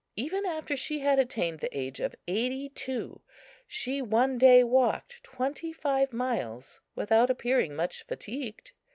Even after she had attained the age of eighty two, she one day walked twenty five miles without appearing much fatigued.